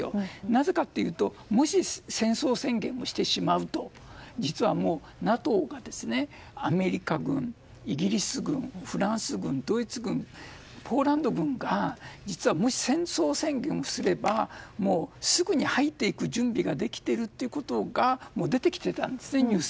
なぜかというともし戦争宣言をしてしまうと実はもう、ＮＡＴＯがアメリカ軍、イギリス軍フランス軍、ドイツ軍ポーランド軍が実は、もし戦争宣言をすればすぐに入っていく準備ができているということがニュースで出てきていたんですね。